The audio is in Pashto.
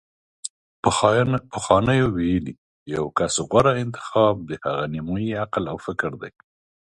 پخوانیو ویلي: د یو کس غوره انتخاب د هغه نیمايي عقل او فکر دی